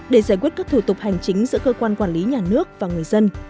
để giải quyết các thủ tục hành chính giữa cơ quan quản lý nhà nước và người dân